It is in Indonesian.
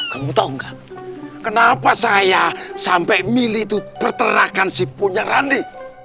kamu tau nggak kenapa saya sampai milih peternakan si punyarandi